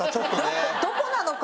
どこなのかな？